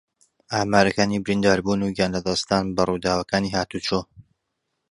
ئامارەکانی برینداربوون و گیانلەدەستدان بە ڕووداوەکانی ھاتوچۆ